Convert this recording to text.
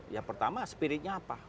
yang pertama spiritnya apa